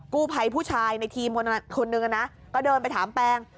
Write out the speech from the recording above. กู้ภัยผู้ชายในทีมคนนึงนะก็เดินไปถามแปง